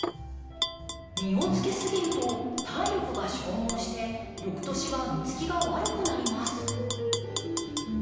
実をつけすぎると体力が消耗して翌年は実つきが悪くなります。